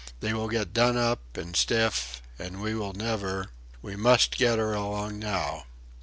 They will get done up and stiff, and we will never... We must get her along now"...